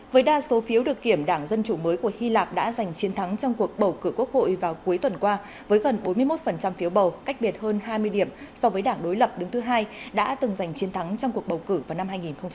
với đa số phiếu được kiểm đảng dân chủ mới của hy lạp đã giành chiến thắng trong cuộc bầu cử quốc hội vào cuối tuần qua với gần bốn mươi một phiếu bầu cách biệt hơn hai mươi điểm so với đảng đối lập đứng thứ hai đã từng giành chiến thắng trong cuộc bầu cử vào năm hai nghìn một mươi sáu